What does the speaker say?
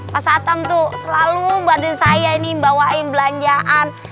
pas atam tuh selalu badan saya ini bawain belanjaan